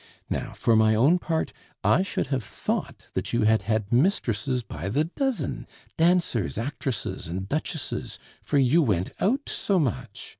Now, for my own part, I should have thought that you had had mistresses by the dozen dancers, actresses, and duchesses, for you went out so much.